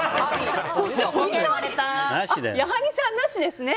矢作さん、なしですね。